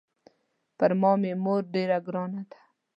پر ما مې مور ډېره ګرانه ده.